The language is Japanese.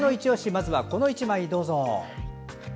まずはこの１枚、どうぞ。